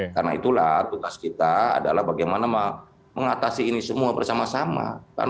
karena itulah tugas kita adalah bagaimana mengatasi ini semua bersama sama